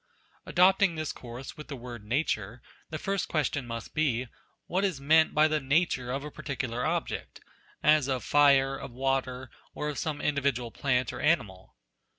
Adopting this course with the word Nature, the first question must be, what is meant by the " nature " of NATURE 5 a particular object? as of fire, of water, or of some individual plant or animal